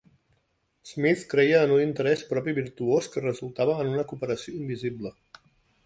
Smith creia en un interès propi virtuós que resultava en una cooperació invisible.